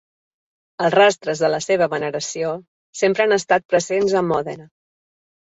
Els rastres de la seva veneració sempre han estat presents a Mòdena.